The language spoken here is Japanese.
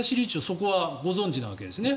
そこはご存じなわけですね。